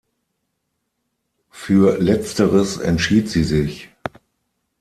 Für letzteres entschied sie sich.